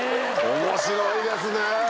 面白いですね。